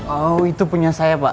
oh itu punya saya pak